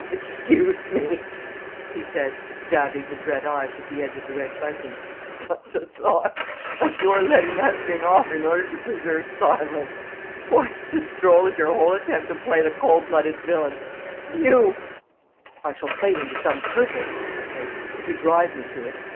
"Excuse me," said he, dabbing his red eyes with the edge of the red bunting, "but the thought of your letting that thing off in order to preserve silence why, it's as droll as your whole attempt to play the cold blooded villain you!" "I shall play him to some purpose," I hissed, "if you drive me to it.